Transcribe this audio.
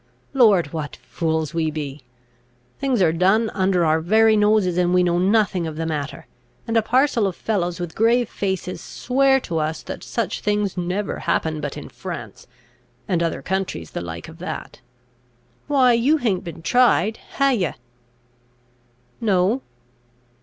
Lord, what fools we be! Things are done under our very noses, and we know nothing of the matter; and a parcel of fellows with grave faces swear to us, that such things never happen but in France, and other countries the like of that. Why, you ha'n't been tried, ha' you?" "No."